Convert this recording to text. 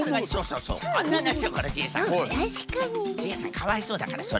かわいそうだからそれは。